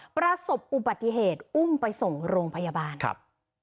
ประสบอุบัติเหตุอุ้มไปส่งโรงพยาบาลครับ